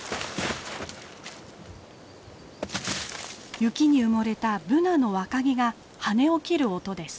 雪に埋もれたブナの若木が跳ね起きる音です。